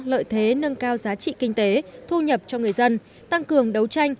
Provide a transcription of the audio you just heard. lợi thế nâng cao giá trị kinh tế thu nhập cho người dân tăng cường đấu tranh